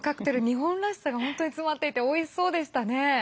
日本らしさが本当に詰まっていておいしそうでしたね。